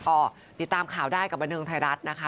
ก็ติดตามข่าวได้กับบันเทิงไทยรัฐนะคะ